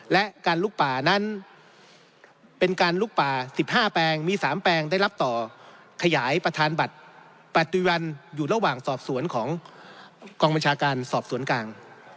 และการลุกป่านั้นเป็นการลุกป่า๑๕แปลงมี๓แปลงได้รับต่อขยายประธานบัตรปัจจุบันอยู่ระหว่างสอบสวนของกองบัญชาการสอบสวนกลาง